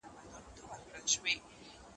دا دښمن وي د عزت بلا د ځان وي